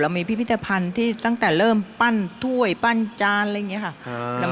มีพิพิธภัณฑ์ที่ตั้งแต่เริ่มปั้นถ้วยปั้นจานอะไรอย่างนี้ค่ะ